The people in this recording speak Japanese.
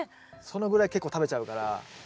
そのぐらい結構食べちゃうから。